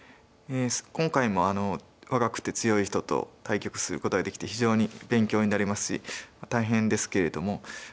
今回も若くて強い人と対局することができて非常に勉強になりますし大変ですけれども。